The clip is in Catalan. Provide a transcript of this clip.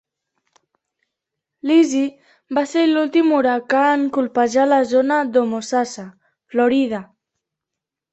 L'Easy va ser l'últim huracà en colpejar la zona de Homosassa, Florida.